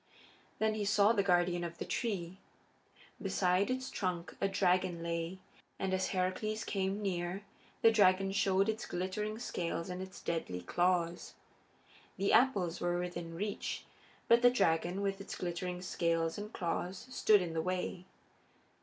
Then he saw the guardian of the tree. Beside its trunk a dragon lay, and as Heracles came near the dragon showed its glittering scales and its deadly claws. The apples were within reach, but the dragon, with its glittering scales and claws, stood in the way.